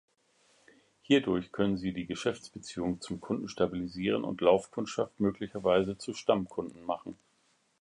Hierdurch können sie die Geschäftsbeziehung zum Kunden stabilisieren und Laufkundschaft möglicherweise zu Stammkunden machen.